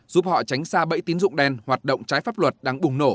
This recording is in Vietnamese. giúp họ tránh xa bẫy tín dụng đen hoạt động trái pháp luật đang bùng nổ